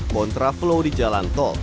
montra flow di jalan tol